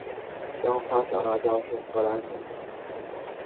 香花小辣椒是河南省淅川县香花镇的一个辣椒品种。